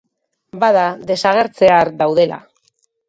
Bada, desagertzear daudela.